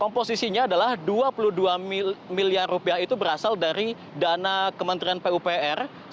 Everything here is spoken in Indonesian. komposisinya adalah dua puluh dua miliar rupiah itu berasal dari dana kementerian pupr